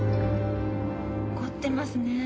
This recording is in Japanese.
こってますねえ。